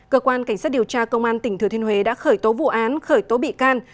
cơ quan cảnh sát điều tra công an tỉnh thừa thiên huế đã khởi tố vụ án khởi tố bị can